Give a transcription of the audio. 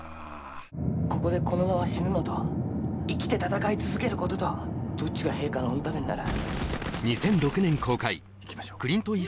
ここでこのまま死ぬのと生きて戦い続けることとどっちが陛下の御為になる？